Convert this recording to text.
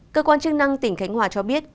cơ quan chức năng tỉnh khánh hòa cho biết